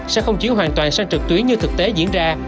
sẽ không chuyển hoàn toàn sang trực tuyến như thực tế diễn ra